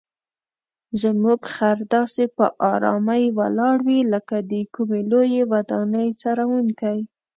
زموږ خر داسې په آرامۍ ولاړ وي لکه د کومې لویې ودانۍ څارونکی.